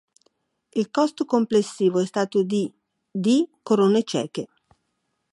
Il costo complessivo è stato di di corone ceche.